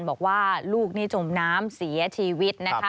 บอกว่าลูกนี่จมน้ำเสียชีวิตนะคะ